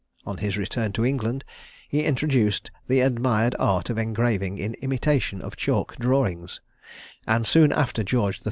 On his return to England, he introduced the admired art of engraving in imitation of chalk drawings; and soon after George III.